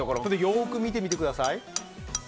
よく見てください。